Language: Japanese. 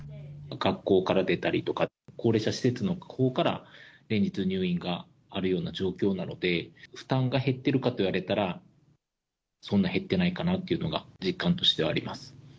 学校から出たりとか、高齢者施設のほうから連日、入院があるような状況なので、負担が減ってるかといわれたら、そんな減ってないかなっていうのが、実感としてはあります。